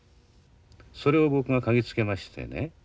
それを僕が嗅ぎつけましてね。